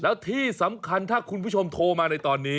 แล้วที่สำคัญถ้าคุณผู้ชมโทรมาในตอนนี้